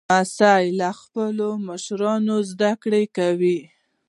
لمسی له خپلو مشرانو زدهکړه کوي.